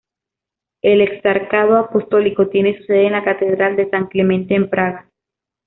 El exarcado apostólico tiene su sede en la Catedral de San Clemente en Praga.